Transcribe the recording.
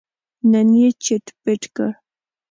نن یې چیت پیت کړ.